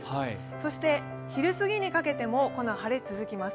そして昼すぎにかけてもこの晴れは続きます。